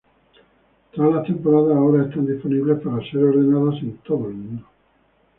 Todas las temporadas ahora están disponibles para ser ordenadas en todo el mundo.